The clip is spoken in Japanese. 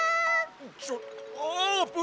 ちょあーぷん！